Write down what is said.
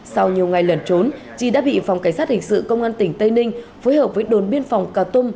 sau nhiều ngày lần trốn chi đã bị phòng cảnh sát hình sự công an tỉnh tây ninh phối hợp với đồn biên phòng cà tum